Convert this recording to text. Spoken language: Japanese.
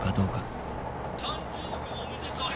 「誕生日おめでとう！」